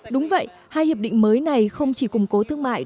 đúng vậy hai hiệp định mới này không chỉ củng cố thương mại